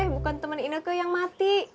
bukan temen ineku yang mati